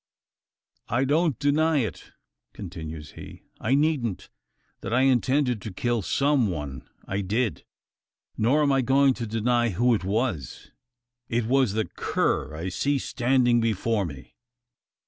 "I don't deny," continues he; "I needn't that I intended to kill some one. I did. Nor am I going to deny who it was. It was the cur I see standing before me."